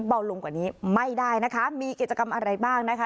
เบาลงกว่านี้ไม่ได้นะคะมีกิจกรรมอะไรบ้างนะคะ